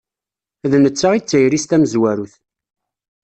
D netta i d tayri-s tamezwarut.